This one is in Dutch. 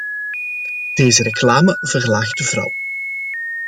Deze reclame verlaagt de vrouw.